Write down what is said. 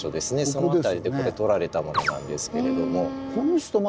その辺りでこれ撮られたものなんですけれども。